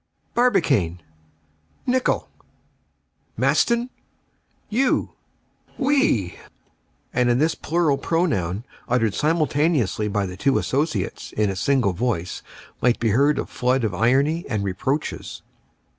"Barbicane!!! Nicholl!!" "Maston." "You." "We." And in this plural pronoun, uttered simultaneously by the two associates in a single voice, might be heard a flood of irony and reproaches.